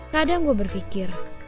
kadang gue berpikir